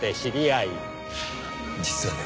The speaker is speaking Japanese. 実はね